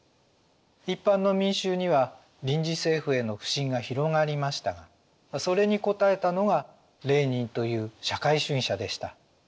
一般の民衆には臨時政府への不信が広がりましたがそれに応えたのがレーニンという社会主義者でした。